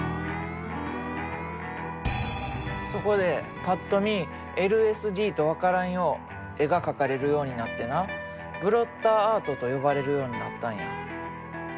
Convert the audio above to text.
そこでぱっと見ＬＳＤと分からんよう絵が描かれるようになってなブロッターアートと呼ばれるようになったんや。